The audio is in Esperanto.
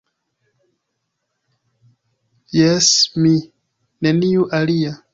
Jes, mi, neniu alia.